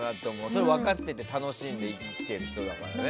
それは分かっていて楽しんで着ている人だからね。